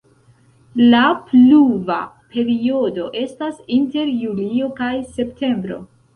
La pluva periodo estas inter julio kaj septembro.